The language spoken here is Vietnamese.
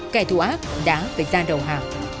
kẻ thù ác đã phải ra đầu hạ